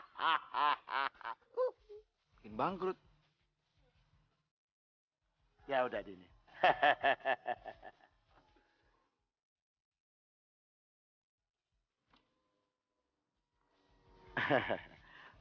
hai hahaha bangkrut ya udah ini hahaha